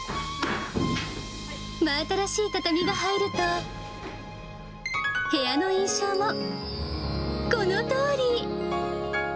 真新しい畳が入ると、部屋の印象も、このとおり。